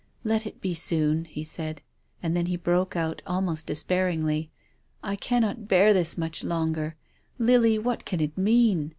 "Let it be soon," he said. And then he broke out almost despairingly :" I cannot bear this much longer. Lily, what can it mean